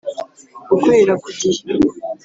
gukorera ku gihe